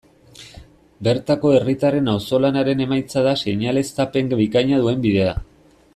Bertako herritarren auzolanaren emaitza da seinaleztapen bikaina duen bidea.